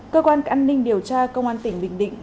cơ quan an ninh điều tra công an tỉnh bình định